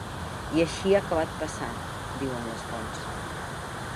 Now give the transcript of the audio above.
I així ha acabat passant, diuen les fonts.